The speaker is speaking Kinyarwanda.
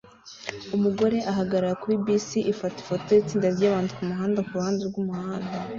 Umugore ahagarara kuri bisi ifata ifoto yitsinda ryabantu kumuhanda kuruhande rwumuhanda